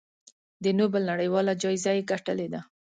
د نوبل نړیواله جایزه یې ګټلې ده.